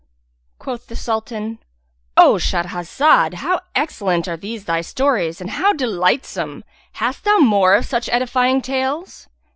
Quoth the Sultan, "O Shahrazad, how excellent are these thy stories, and how delightsome! Hast thou more of such edifying tales?"